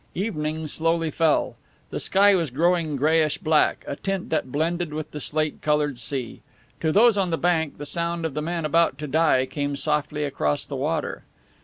Evening slowly fell. The sky was growing grayish black, a tint that blended with the slate colored sea. To those on the bank, the sound of the men about to die came softly across the water.